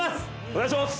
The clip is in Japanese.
お願いします。